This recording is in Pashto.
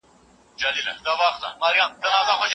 حتی په شخړو او دښمنيو سره واوړي